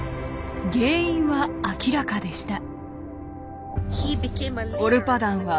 原因は明らかでした。